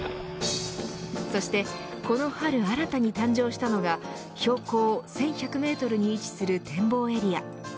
そして、この春新たに誕生したのが標高１１００メートルに位置する展望エリア。